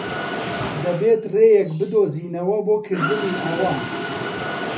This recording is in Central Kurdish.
دەبێت ڕێیەک بدۆزینەوە بۆ کردنی ئەوە.